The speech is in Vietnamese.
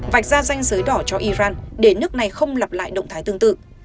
vạch ra danh giới đỏ cho iran để nước này không lặp lại động thái tương tự